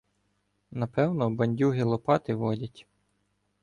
Напевно, бандюги Лопати водять.